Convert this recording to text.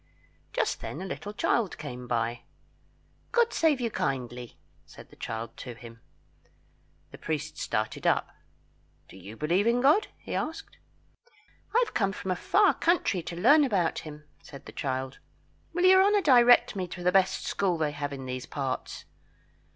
Just then a little child came by. "God save you kindly," said the child to him. The priest started up. "Do you believe in God?" he asked. "I have come from a far country to learn about him," said the child. "Will your honour direct me to the best school they have in these parts?"